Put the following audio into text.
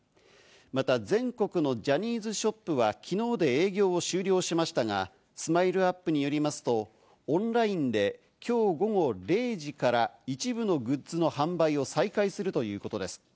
また全国のジャニーズショップは、きのうで営業を終了しましたが、ＳＭＩＬＥ‐ＵＰ．によりますと、オンラインできょう午後０時から一部のグッズの販売を再開するということです。